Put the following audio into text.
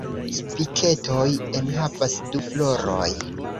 Spiketoj enhavas du floroj.